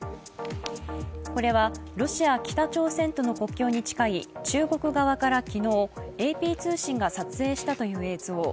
これはロシア北朝鮮との国境に近い中国側から昨日、昨日、ＡＰ通信が撮影したという映像。